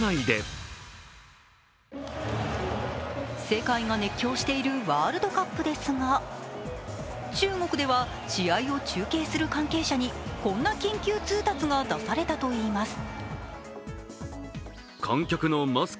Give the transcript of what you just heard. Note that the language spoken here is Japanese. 世界が熱狂しているワールドカップですが中国では、試合を中継する関係者にこんな緊急通達が出されたといいます。